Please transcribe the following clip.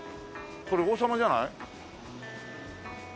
これ王様じゃない？